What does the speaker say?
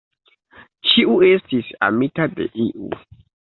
Ĉiu estis amita de iu.